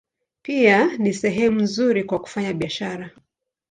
Pia ni sehemu nzuri kwa kufanya biashara.